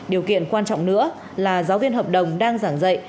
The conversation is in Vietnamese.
điều kiện quan trọng nữa là giáo viên hợp đồng đang giảng dạy